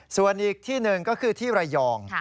ส่วนอีกที่หนึ่งก็คือที่ระยอง